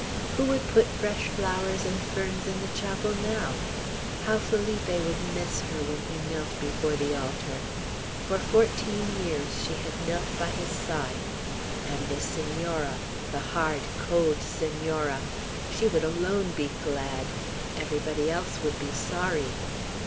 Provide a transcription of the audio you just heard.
Who would put fresh flowers and ferns in the chapel now? How Felipe would miss her, when he knelt before the altar! For fourteen years she had knelt by his side. And the Senora, the hard, cold Senora! She would alone be glad. Everybody else would be sorry.